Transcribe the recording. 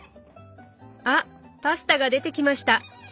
あパスタが出てきました！